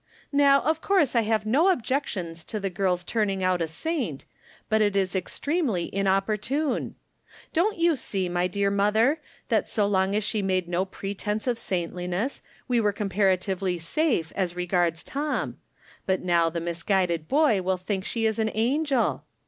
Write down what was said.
Now, of course I have no objections to the girl's turning out a saint, but it is extremely inoppor tune. Don't you see, my dear mother, that so long as she made no pretense of saintliness, we were comparatively safe as regards Tom ; but now the misguided boy will think she is an angel.